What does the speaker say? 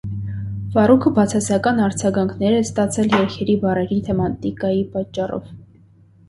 Ֆառուքը բացասական արձագանքներ է ստացել երգերի բառերի թեմատիկայի պատճառով։